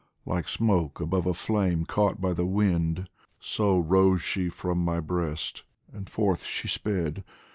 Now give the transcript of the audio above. Like smoke above a flame caught by the wind. So rose she from my breast and forth she sped.